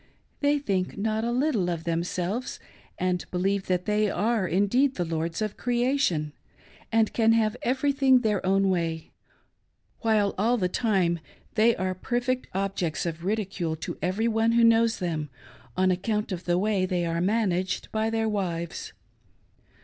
They think not a Ijttje of themselves, and believf that they are indeed the lords of creation, and can have every r thing their own way ; while, all the time, they are perfect objects of ridicule to every one who knows them, on account of the way they are " managed " by their wives.